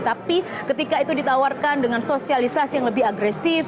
tapi ketika itu ditawarkan dengan sosialisasi yang lebih agresif